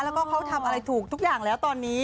แล้วก็เขาทำอะไรถูกทุกอย่างแล้วตอนนี้